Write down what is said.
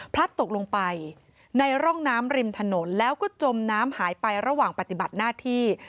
ตกลงไปในร่องน้ำริมถนนแล้วก็จมน้ำหายไประหว่างปฏิบัติหน้าที่